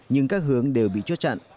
nhưng các hướng đều bị chốt chặn